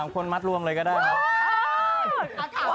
คนมัดรวมเลยก็ได้ครับ